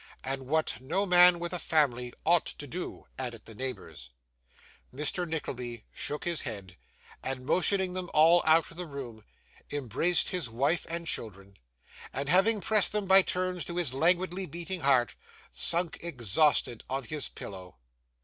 'And what no man with a family ought to do,' added the neighbours. Mr. Nickleby shook his head, and motioning them all out of the room, embraced his wife and children, and having pressed them by turns to his languidly beating heart, sunk exhausted on his pillow.